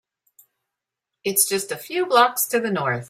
It’s just a few blocks to the North.